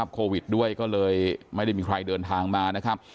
ก็เลยไม่ได้มีใครเดินทางมานะครับ